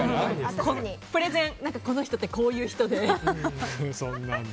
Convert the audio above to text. プレゼン、この人ってこういう人で。